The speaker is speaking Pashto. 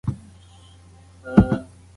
موږ د خپل هویت په ساتلو ویاړو.